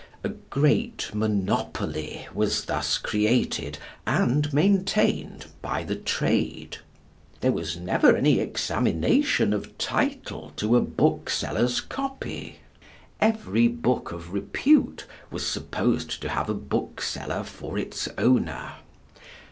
A great monopoly was thus created and maintained by the trade. There was never any examination of title to a bookseller's copy. Every book of repute was supposed to have a bookseller for its owner.